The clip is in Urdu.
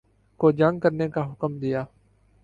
کو جنگ کرنے کا حکم دیا